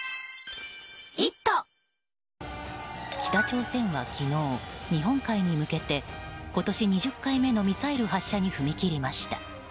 北朝鮮は昨日日本海に向けて今年２０回目のミサイル発射に踏み切りました。